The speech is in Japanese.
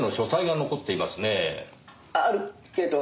あるけど。